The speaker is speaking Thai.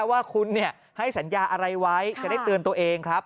ว่าคุณให้สัญญาอะไรไว้จะได้เตือนตัวเองครับ